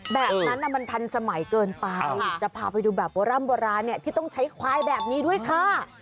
แบบนั้นมันทันสมัยเกินไปจะพาไปดูแบบโบร่ำโบราณที่ต้องใช้ควายแบบนี้ด้วยค่ะ